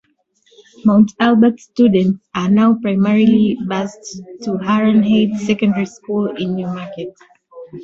Mount Albert Students are now primarily bused to Huron Heights Secondary School in Newmarket.